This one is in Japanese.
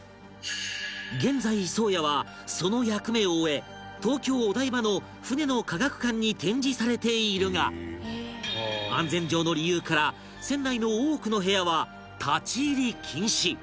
現在宗谷はその役目を終え東京お台場の船の科学館に展示されているが安全上の理由から船内の多くの部屋は立ち入り禁止